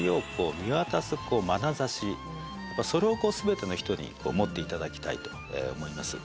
それをこう全ての人に持っていただきたいと思います。